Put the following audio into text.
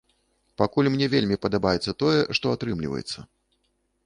Пакуль мне вельмі падабаецца тое, што атрымліваецца.